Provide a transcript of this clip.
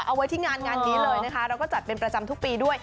เอาไว้ที่งานงานนี้เลยนะคะเราก็จัดเป็นประจำทุกปีด้วย